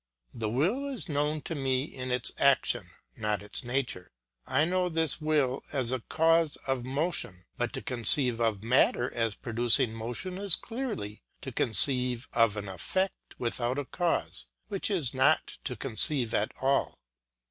The will is known to me in its action, not in its nature. I know this will as a cause of motion, but to conceive of matter as producing motion is clearly to conceive of an effect without a cause, which is not to conceive at all.